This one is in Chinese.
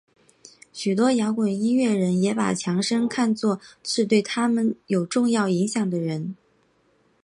许多摇滚音乐人也把强生看作是对他们有重要影响的人。